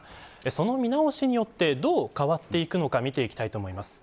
その見直しによってどう変わっていくのか見ていきます。